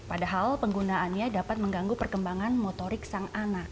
padahal penggunaannya dapat mengganggu perkembangan motorik sang anak